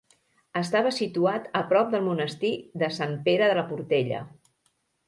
Estava situat a prop del monestir de Sant Pere de la Portella.